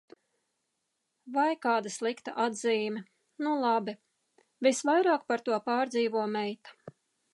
Vai kāda slikta atzīme. Nu, labi. Visvairāk par to pārdzīvo meita.